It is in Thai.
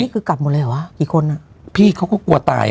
เหลือที่เขากลัวตาย